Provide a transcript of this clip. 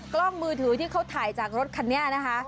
กล้องมือถือที่เขาถ่ายจากรถคันนี้นะคะ